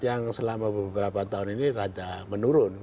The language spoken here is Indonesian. yang selama beberapa tahun ini raja menurun